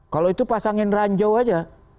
kalau itu pasangin ranjau aja